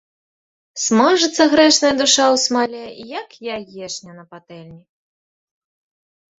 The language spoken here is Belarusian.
Смажыцца грэшная душа ў смале, як яечня на патэльні.